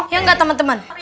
ya gak temen temen